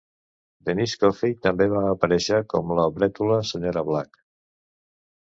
Denise Coffey també va aparèixer com la brètola Sra. Black.